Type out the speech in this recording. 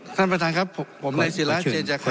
ท่านประธานครับผมในสิราชเชียร์จักรครับ